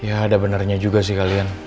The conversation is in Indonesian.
ya ada benarnya juga sih kalian